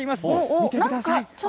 見てください。